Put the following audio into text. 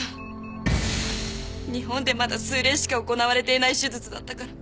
日本でまだ数例しか行われていない手術だったから。